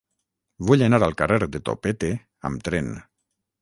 Vull anar al carrer de Topete amb tren.